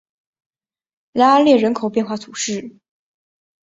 莱阿列人口变化图示